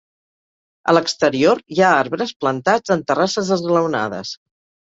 A l'exterior, hi ha arbres plantats en terrasses esglaonades.